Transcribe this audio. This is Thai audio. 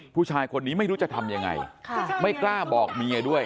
ผู้ชายคนนี้ไม่รู้จะทำยังไงไม่กล้าบอกเมียด้วย